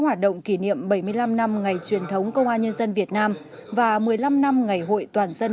hoạt động kỷ niệm bảy mươi năm năm ngày truyền thống công an nhân dân việt nam và một mươi năm năm ngày hội toàn dân